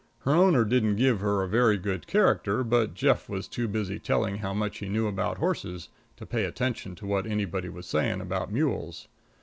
Her owner didn't give her a very good character, but Jeff was too busy telling how much he knew about horses to pay much attention to what anybody was saying about mules.